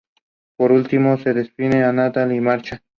Por último se despide de Nathan y se marcha.